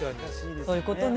そういうことね。